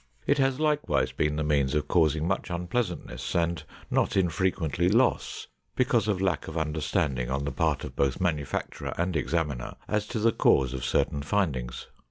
It has likewise been the means of causing much unpleasantness and not infrequently loss, because of lack of understanding on the part of both manufacturer and examiner as to the cause of certain findings.